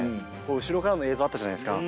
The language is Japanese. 後ろからの映像あったじゃないですか。